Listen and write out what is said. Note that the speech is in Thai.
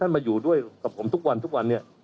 ก็รอผลการตรวจของกรพิสูจน์หลักฐานอยู่ครับ